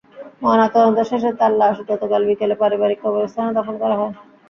ময়নাতদন্ত শেষে তাঁর লাশ গতকাল বিকেলে পারিবারিক কবরস্থানে দাফন করা হয়।